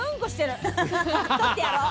撮ってやろう。